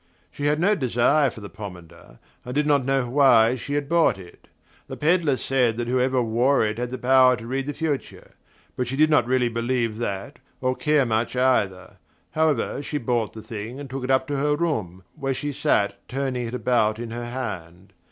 She had no desire for the pomander, and did not know why she had bought it. The pedlar said that whoever wore it had the power to read the future; but she did not really believe that, or care much either. However, she bought the thing and took it up to her room, where she sat turning it about in her hand.